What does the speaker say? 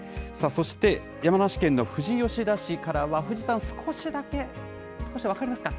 そして山梨県の富士吉田市からは富士山、少しだけ、少し、分かりますか？